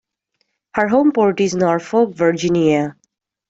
Her home port is Norfolk, Virginia.